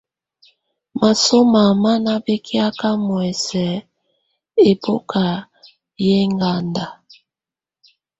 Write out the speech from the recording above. Masọmá má ná bɛ́kɛ̀áká muɛsɛ ɛ́bɔ́ká yɛ́ ɛŋganda.